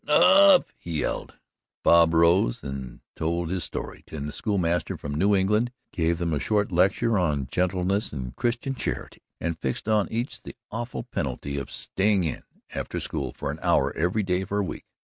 "'Nough!" he yelled. Bob rose then and told his story and the school master from New England gave them a short lecture on gentleness and Christian charity and fixed on each the awful penalty of "staying in" after school for an hour every day for a week.